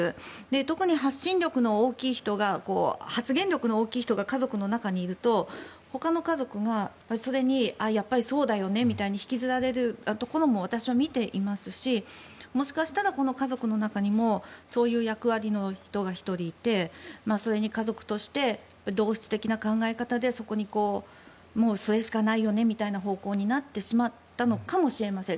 特に発信力の大きい人が発言力の大きい人が家族の中にいるとほかの家族がそれにやっぱり、そうだよねみたいに引きずられるところも私は見ていますしもしかしたら、この家族の中にもそういう役割の人が１人いてそれに家族として同質的な考え方でそこにそれしかないよねみたいな方向になってしまったのかもしれません。